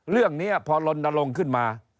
เรื่องนี้พอลนลงขึ้นมา